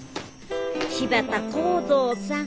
柴田幸造さん